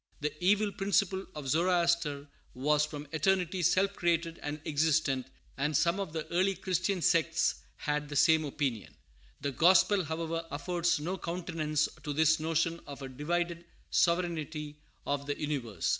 The evil principle of Zoroaster was from eternity self created and existent, and some of the early Christian sects held the same opinion. The gospel, however, affords no countenance to this notion of a divided sovereignty of the universe.